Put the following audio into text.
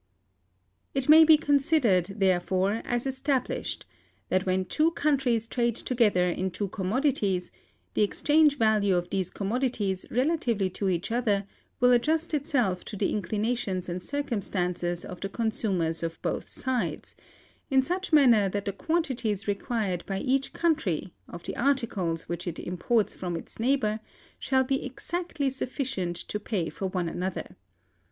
"It may be considered, therefore, as established, that when two countries trade together in two commodities, the exchange value of these commodities relatively to each other will adjust itself to the inclinations and circumstances of the consumers on both sides, in such manner that the quantities required by each country, of the articles which it imports from its neighbor, shall be exactly sufficient to pay for one another.